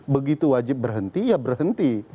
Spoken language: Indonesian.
begitu wajib berhenti ya berhenti